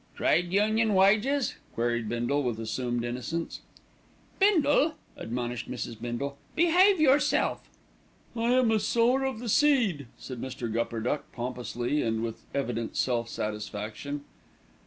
"Trade union wages?" queried Bindle with assumed innocence. "Bindle!" admonished Mrs. Bindle, "behave yourself." "I am a sower of the seed," said Mr. Gupperduck pompously and with evident self satisfaction.